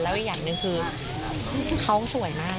แล้วอีกอย่างหนึ่งคือเขาสวยมาก